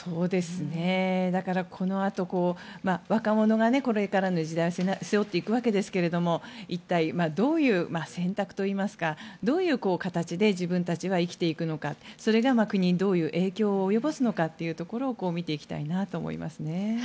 だから、このあと若者がこれからの時代を背負っていくわけですが一体どういう選択といいますかどういう形で自分たちは生きていくのかそれが、国にどういう影響を及ぼすのか見ていきたいなと思います。